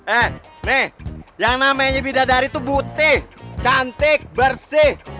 eh nih yang namanya bidadari tuh butih cantik bersih